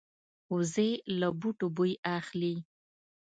وزې له بوټو بوی اخلي